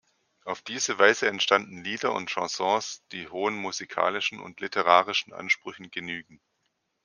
Auf diese Weise entstanden Lieder und Chansons, die hohen musikalischen und literarischen Ansprüchen genügen.